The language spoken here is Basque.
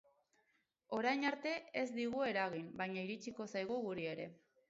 Orain arte ez digu eragin, baina iritsiko zaigu guri ere.